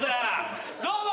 どうも。